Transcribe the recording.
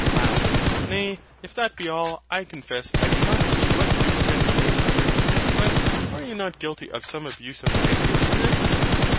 HYL. Nay, if that be all, I confess I do not see what use can be made of it. But are you not guilty of some abuse of language in this?